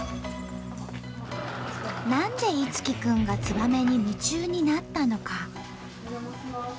何で樹くんがツバメに夢中になったのか。